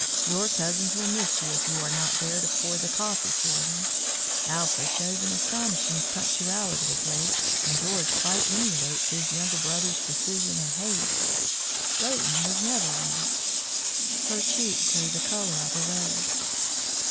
Your cousins will miss you if you are not there to pour the coffee for them. Alfred shows an astonishing punctuality of late, and George quite emulates his younger brother's precision and haste. Leighton was never late." Her cheek grew the colour of a rose.